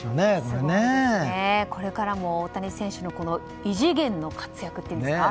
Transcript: これからも大谷選手の異次元の活躍というんですか。